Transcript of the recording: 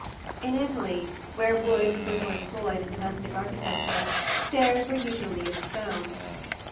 In Italy, where wood was little employed in domestic architecture, stairs were usually of stone.